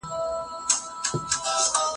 زه دې اورم چې ماښام ماښام راګرځې